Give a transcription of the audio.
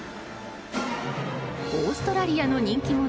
オーストラリアの人気者